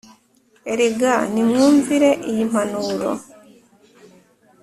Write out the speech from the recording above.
erega nimwumvire iyi mpanuro